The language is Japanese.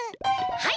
はい！